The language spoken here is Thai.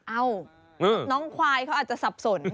เอ้าน้องควายเขาอาจจะสับสน